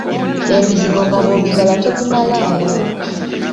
Emizigo nga bwogibala togimalayo.